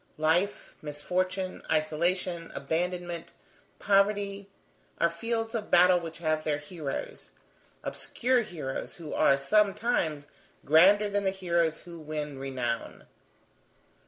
Life, misfortune, isolation, abandonment, poverty, are the fields of battle which have their heroes; obscure heroes, who are, sometimes, grander than the heroes who win renown.